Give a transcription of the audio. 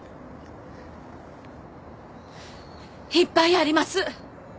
いっぱいあります。